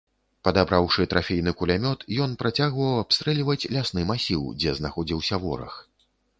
Падабраўшы трафейны кулямёт, ён працягваў абстрэльваць лясны масіў, дзе знаходзіўся вораг.